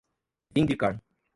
vindicar